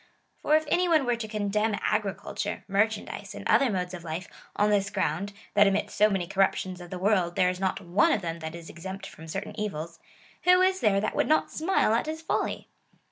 For if any one were to condemn agriculture, mer chandise, and other modes of life, on this ground, that amidst so many corruptions of the w^orld, there is not one of them that is exempt from certain evils, who is there that would not smile at his folly